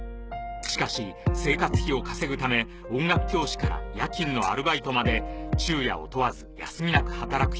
しかし生活費を稼ぐため音楽教師から夜勤のアルバイトまで昼夜を問わず休みなく働く日々が１０年以上も続く中で